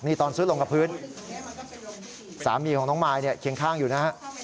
นี่ตอนซุดลงกับพื้นสามีของน้องมายเนี่ยเคียงข้างอยู่นะฮะ